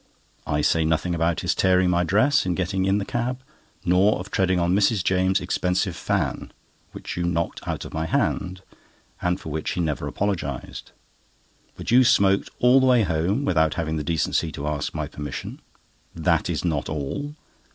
I say nothing about his tearing my dress in getting in the cab, nor of treading on Mrs. James's expensive fan, which you knocked out of my hand, and for which he never even apologised; but you smoked all the way home without having the decency to ask my permission. That is not all!